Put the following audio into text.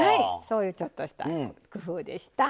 そういうちょっとした工夫でした。